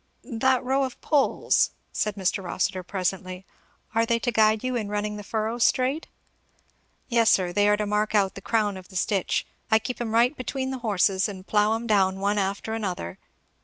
"That row of poles," said Mr. Rossitur presently, "are they to guide you in running the furrow straight?" "Yes sir they are to mark out the crown of the stitch. I keep 'em right between the horses and plough 'em down one after another.